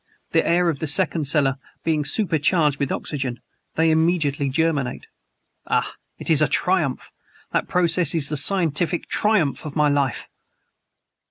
"The air of the second cellar being super charged with oxygen, they immediately germinate. Ah! it is a triumph! That process is the scientific triumph of my life!"